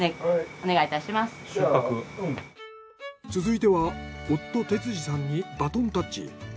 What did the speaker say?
続いては夫哲司さんにバトンタッチ。